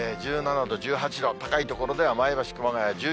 １７度、１８度、高い所では前橋、熊谷１９度。